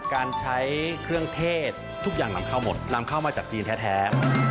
การใช้เครื่องเทศทุกอย่างหลังคาหมดนำเข้ามาจากจีนแท้